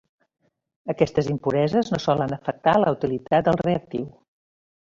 Aquestes impureses no solen afectar la utilitat del reactiu.